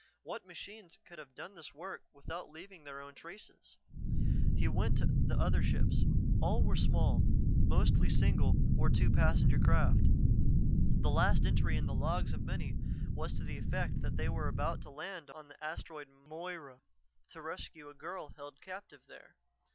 What machines could have done this work without leaving their own traces? He went to the other ships: all were small, mostly single or two passenger craft. The last entry in the logs of many was to the effect that they were about to land on the Asteroid Moira to rescue a girl held captive there.